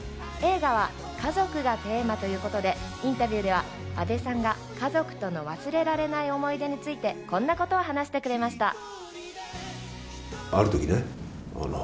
映画は家族がテーマということで、インタビューでは阿部さんが家族との忘れられない思い出について、こんなことを話してくれました。